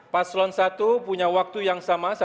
paslon satu punya waktu yang sama